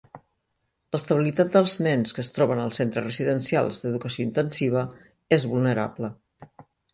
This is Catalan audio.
L’estabilitat dels nens que es troben als centres residencials d’educació intensiva és vulnerable.